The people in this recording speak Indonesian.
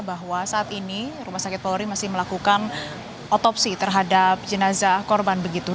bahwa saat ini rumah sakit polri masih melakukan otopsi terhadap jenazah korban begitu